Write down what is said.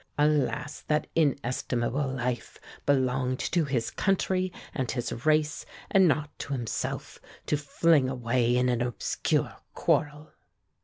Alas! that inestimable life belonged to his country and his race, and not to himself, to fling away in an obscure quarrel."